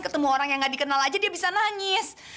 ketemu orang yang gak dikenal aja dia bisa nangis